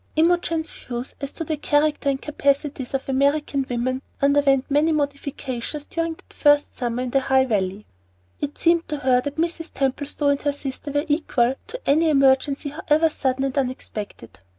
Imogen's views as to the character and capacities of American women underwent many modifications during that first summer in the Valley. It seemed to her that Mrs. Templestowe and her sister were equal to any emergency however sudden and unexpected.